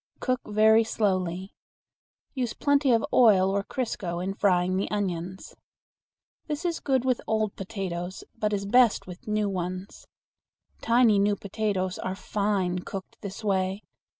Cook very slowly. Use plenty of oil or crisco in frying the onions. This is good with old potatoes, but is best with new ones. Tiny new potatoes are fine cooked in this way.